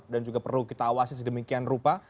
dan juga perlu kita awasi sedemikian rupa